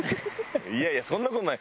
いやいやそんな事ない。